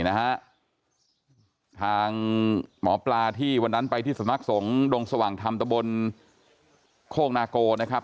นะฮะทางหมอปลาที่วันนั้นไปที่สำนักสงฆ์ดงสว่างธรรมตะบนโคกนาโกนะครับ